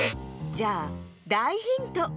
じゃあだいヒント。